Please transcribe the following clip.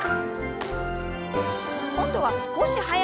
今度は少し速く。